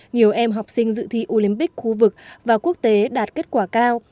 nhiều em học sinh dự thi olympic khu vực và quốc tế đạt kết quả cao